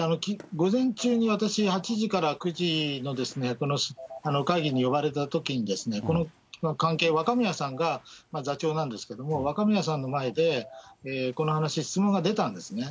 午前中に私、８時から９時のこの会議に呼ばれたときに、この関係、若宮さんが座長なんですけども、若宮さんの前で、この話、質問が出たんですね。